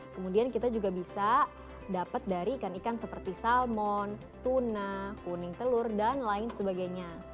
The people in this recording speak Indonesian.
kemudian kita juga bisa dapat dari ikan ikan seperti salmon tuna kuning telur dan lain sebagainya